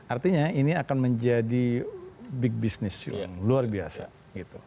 artinya ini akan menjadi big business you yang luar biasa gitu